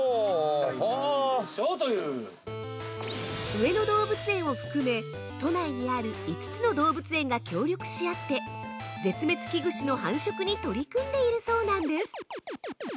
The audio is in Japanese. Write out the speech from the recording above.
◆上野動物園を含め都内にある５つの動物園が協力し合って絶滅危惧種の繁殖に取り組んでいるそうなんです！